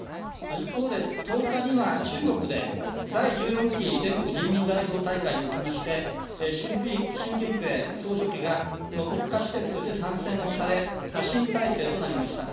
一方で１０日には、中国で第１４期全国人民代表大会におきまして、習近平総書記が、国家主席として３選をされ、新体制となりました。